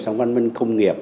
sang văn minh công nghiệp